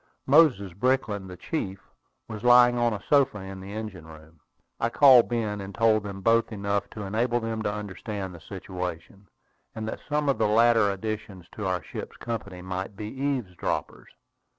Moses Brickland, the chief, was lying on a sofa in the engine room. I called Ben, and told them both enough to enable them to understand the situation, and that some of the later additions to our ship's company might be eavesdroppers.